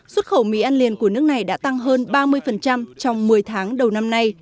xuất khẩu mì ăn liền của nước này đã tăng hơn ba mươi trong một mươi tháng đầu năm nay